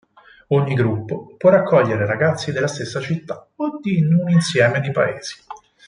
Ogni gruppo può raccogliere ragazzi della stessa città, o di un insieme di paesi.